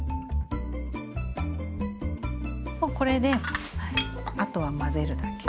もうこれであとは混ぜるだけ。